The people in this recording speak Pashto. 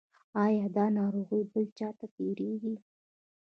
ایا دا ناروغي بل چا ته تیریږي؟